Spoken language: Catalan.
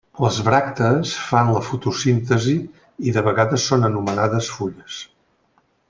Les bràctees fan la fotosíntesi i de vegades són anomenades fulles.